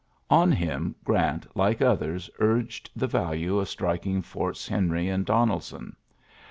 On him Grant, like others, urged the value of striking Forts Henry and Donelson.